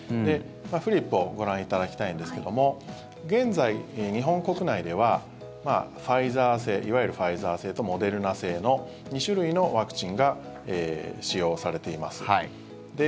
フリップをご覧いただきたいんですけども現在、日本国内ではファイザー製とモデルナ製の２種類のワクチンが使用されています。